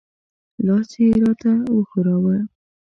لاس یې را ته وښوراوه.